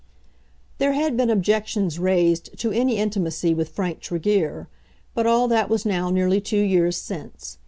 There had been objections raised to any intimacy with Frank Tregear; but all that was now nearly two years since.